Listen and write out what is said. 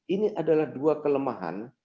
ini adalah dua kelemahan